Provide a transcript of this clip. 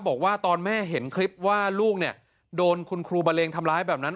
บอกว่าตอนแม่เห็นคลิปว่าลูกเนี่ยโดนคุณครูบะเลงทำร้ายแบบนั้น